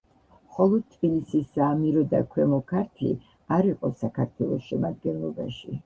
მხოლოდ თბილისის საამირო და ქვემო ქართლი არ იყო საქართველოს შემადგენლობაში.